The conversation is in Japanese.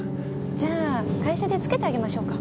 じゃあ会社で付けてあげましょうか？